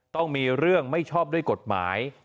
ต้องมีเรื่องไม่ชอบด้วยกฎหมาย